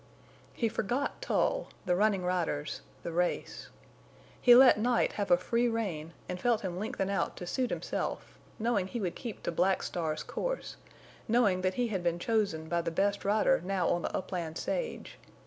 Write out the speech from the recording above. He forgot Tull—the running riders—the race. He let Night have a free rein and felt him lengthen out to suit himself, knowing he would keep to Black Star's course, knowing that he had been chosen by the best rider now on the upland sage.